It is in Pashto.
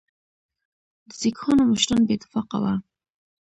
د سیکهانو مشران بې اتفاقه وه.